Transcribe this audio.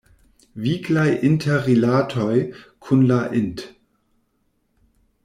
Viglaj interrilatoj kun la int.